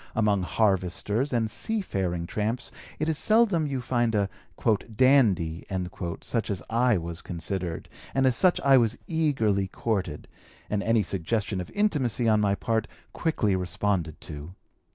Among harvesters and seafaring tramps it is seldom you find a 'dandy' such as I was considered, and as such I was eagerly courted, and any suggestion of intimacy on my part quickly responded to.